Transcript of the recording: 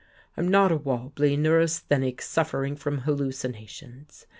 I'm not a wobbly neurasthenic suffer ing from hallucinations.